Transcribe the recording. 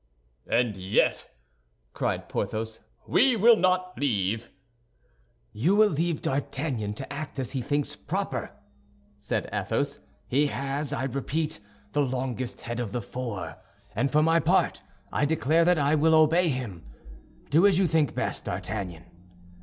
"And yet," cried Porthos, "we will not leave—" "You will leave D'Artagnan to act as he thinks proper," said Athos. "He has, I repeat, the longest head of the four, and for my part I declare that I will obey him. Do as you think best, D'Artagnan."